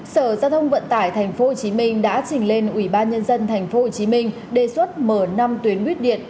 sở giao thông vận tải tp hcm đã trình lên ủy ban nhân dân tp hcm đề xuất mở năm tuyến buýt điện